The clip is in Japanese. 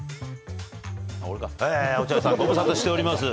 落合さん、ご無沙汰しております。